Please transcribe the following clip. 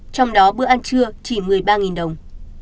trong đó bữa ăn trưa chỉ một mươi ba đồng